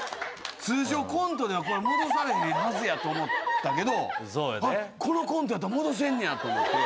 通常コントでは戻されへんはずや」と思ったけど「このコントやったら戻せんねや」と思って。